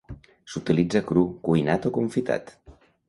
S'utilitza cru, cuinat o confitat.